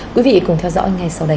quý vị cùng theo dõi ngay sau đây